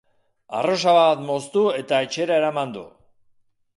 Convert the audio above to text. Arrosa bat moztu eta etxera eraman du.